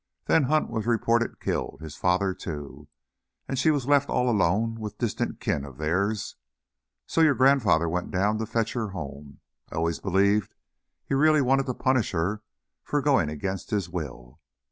Then Hunt was reported killed, his father, too. And she was left all alone with distant kin of theirs. So your grandfather went down to fetch her home. I'll always believe he really wanted to punish her for going against his will.